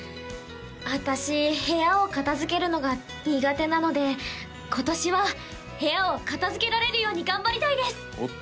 私部屋を片づけるのが苦手なので今年は部屋を片づけられるように頑張りたいです！